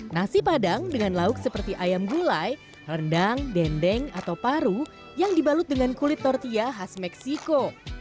nasi padang dengan lauk seperti ayam gulai rendang dendeng atau paru yang dibalut dengan kulit tortilla khas meksiko